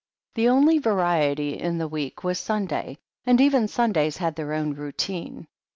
The only variety in the week was Sunday, and even Sundays had their own routine.